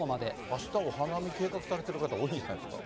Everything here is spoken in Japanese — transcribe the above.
あしたお花見計画されている方、多いんじゃないですか。